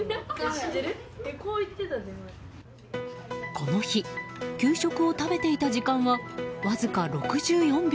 この日、給食を食べていた時間はわずか６４秒。